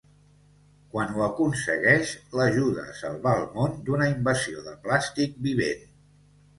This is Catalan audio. Quan ho aconsegueix, l'ajuda a salvar el món d'una invasió de plàstic vivent.